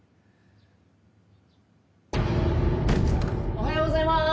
おはようございまーす。